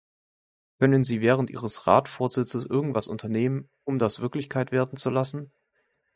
Können Sie während Ihres Ratsvorsitzes irgendetwas unternehmen, um das Wirklichkeit werden zu lassen?